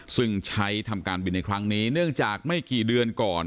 ซึ่งใช้ทำการบินในครั้งนี้เนื่องจากไม่กี่เดือนก่อน